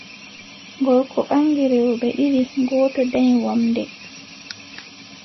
Gorko ɓaŋgi rewɓe ɗiɗi, gooto danyi wamnde,